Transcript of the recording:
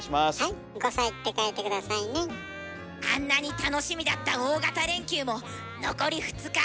あんなに楽しみだった大型連休も残り２日。